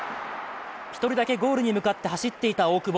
１人だけゴールに向かって走っていた大久保。